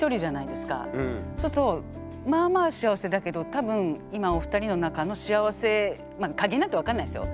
いやだけど多分今お二人の中の幸せまあ加減なんて分かんないですよ。